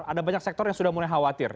ada banyak sektor yang sudah mulai khawatir